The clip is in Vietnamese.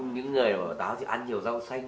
những người bảo ta ăn nhiều rau xanh